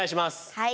はい。